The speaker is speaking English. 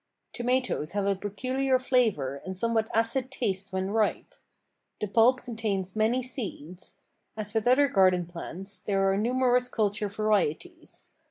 Tomatoes have a peculiar flavor and somewhat acid taste when ripe. The pulp contains many seeds. As with other garden plants, there are numerous culture varieties.